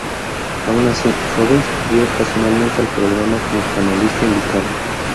Aun así, Robins volvió ocasionalmente al programa como panelista invitada.